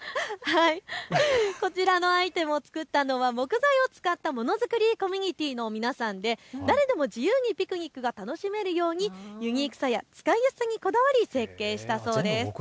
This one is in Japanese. こちらのアイテムを作ったのは木材を使ったものづくりコミュニティーの皆さんで誰でも自由にピクニックが楽しめるようにユニークさや使いやすさにこだわり設計したそうです。